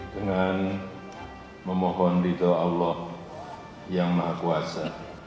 dengan memohon ridho allah yang maha kuasa